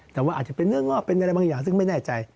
แต่ว่าอาจจะเป็นเนื้องอกเป็นอะไรบางอย่างซึ่งไม่แน่ใจ